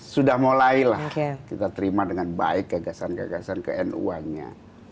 sudah mulai lah kita terima dengan baik gagasan gagasan ke nu annya